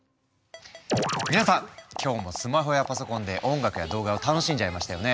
皆さん今日もスマホやパソコンで音楽や動画を楽しんじゃいましたよね。